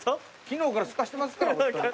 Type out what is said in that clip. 昨日からすかせてますから。